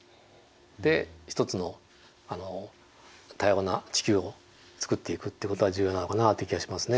で一つの多様な地球を作っていくっていうことが重要なのかなという気がしますね。